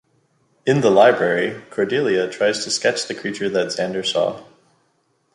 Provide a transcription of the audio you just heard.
In the library, Cordelia tries to sketch the creature that Xander saw.